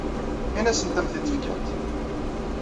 Ini-asent ad am-t-id-fkent.